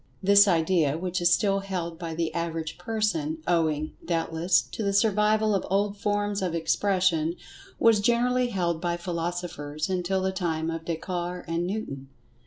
This idea, which is still held by the average person, owing, doubtless, to the survival of old forms of expression, was generally[Pg 111] held by philosophers until the time of Descartes and Newton.